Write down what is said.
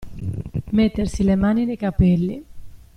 Mettersi le mani nei capelli.